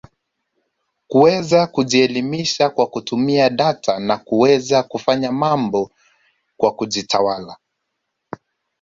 kuweza kujielimisha kwa kutumia data na kuweza kufanya mambo kwa kujitawala